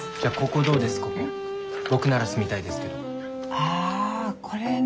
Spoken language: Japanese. あこれね。